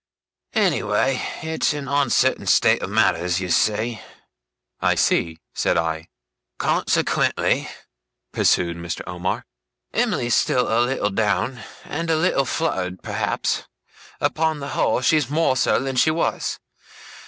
Anyway, it's an uncertain state of matters, you see.' 'I see,' said I. 'Consequently,' pursued Mr. Omer, 'Em'ly's still a little down, and a little fluttered; perhaps, upon the whole, she's more so than she was.